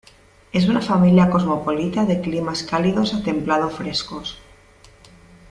Es una familia cosmopolita de climas cálidos a templado-frescos.